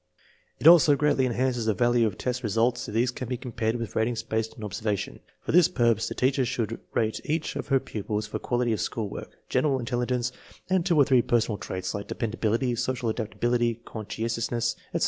It also greatly enhances the value of test results if these can be compared with ratings based on observa tion. For this purpose the teacher should rate each of her pupils for quality of school work, general intelli gence, and two or three personal traits like dependa bility, social adaptability, conscientiousness, etc.